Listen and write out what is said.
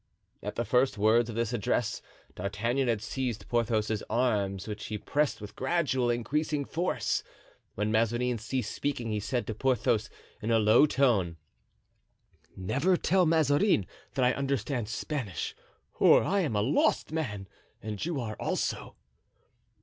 (At the first words of this address D'Artagnan had seized Porthos's arm, which he pressed with gradually increasing force. When Mazarin ceased speaking he said to Porthos in a low tone: "Never tell Mazarin that I understand Spanish, or I am a lost man and you are also."